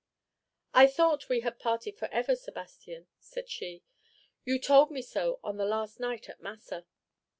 "I thought we had parted forever, Sebastian," said she; "you told me so on the last night at Massa."